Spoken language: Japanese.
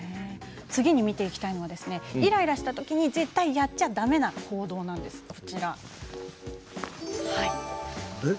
次に見ていきたいのはイライラしたときに絶対にやっちゃだめな行動です。